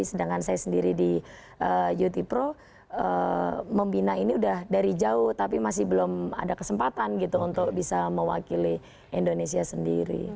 sedangkan saya sendiri di ut pro membina ini udah dari jauh tapi masih belum ada kesempatan gitu untuk bisa mewakili indonesia sendiri